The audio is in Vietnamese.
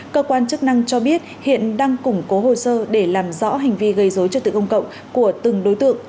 cơ quan chức năng cho biết hiện đang củng cố hồ sơ để làm rõ hành vi gây dối trật tự công cộng của từng đối tượng